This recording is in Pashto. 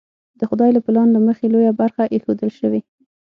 د خدای له پلان له مخې لویه برخه ایښودل شوې.